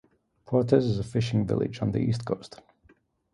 Portes is a fishing village on the east coast.